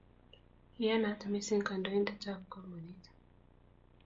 iyanaat mising kandoindetab kampunit